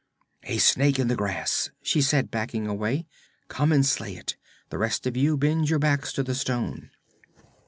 'A snake in the grass,' she said, backing away. 'Come and slay it; the rest of you bend your backs to the stone.'